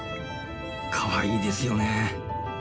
かわいいですよね。